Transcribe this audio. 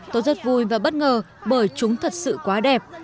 tôi rất vui và bất ngờ bởi chúng thật sự quá đẹp